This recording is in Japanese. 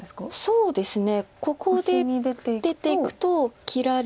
そうですね。